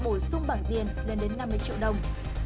mức hình phạt bổ sung bằng tiền lên đến năm mươi triệu đồng